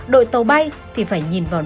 đội tàu bay thì phải nhìn vào